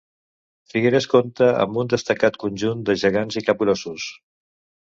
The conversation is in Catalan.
Figueres compta amb un destacat conjunt de gegants i capgrossos.